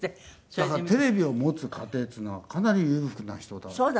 だからテレビを持つ家庭っていうのはかなり裕福な人だ。